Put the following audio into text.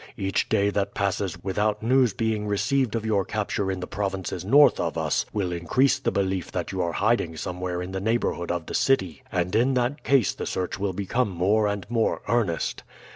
Each day that passes without news being received of your capture in the provinces north of us, will increase the belief that you are hiding somewhere in the neighborhood of the city, and in that case the search will become more and more earnest.